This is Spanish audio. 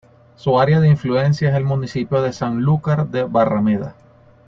Su área de influencia es el municipio de Sanlúcar de Barrameda.